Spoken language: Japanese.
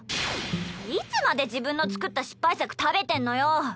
いつまで自分の作った失敗作食べてんのよ！